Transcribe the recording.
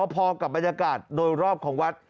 พอกับบรรยากาศโดยรอบของวัด